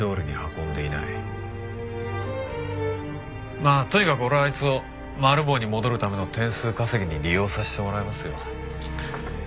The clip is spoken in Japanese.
まあとにかく俺はあいつをマル暴に戻るための点数稼ぎに利用させてもらいますよ。